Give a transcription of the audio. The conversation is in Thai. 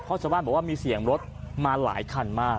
เพราะชาวบ้านบอกว่ามีเสียงรถมาหลายคันมาก